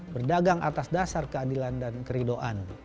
berdagang atas dasar keadilan dan keridoan